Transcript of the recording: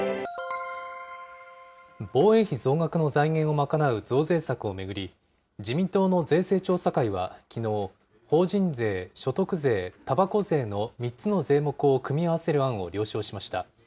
防衛費増額の財源を賄う増税策を巡り、自民党の税制調査会はきのう、法人税、所得税、たばこ税の３つの税目を組み合わせる案を了承しました。